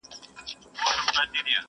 یو بوډا چي وو څښتن د کړوسیانو؛